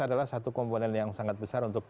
adalah satu komponen yang sangat besar untuk